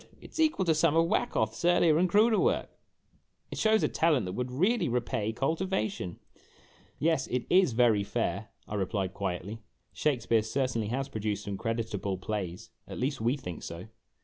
It 's equal to some of Wacoth's earlier and cruder work ! It shows a talent that would well repay cultivation !" "Yes, it is very fair," I replied, quietly; " Shakspere certainly has produced some creditable plays at least, we think so."